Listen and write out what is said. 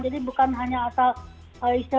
jadi bukan hanya asal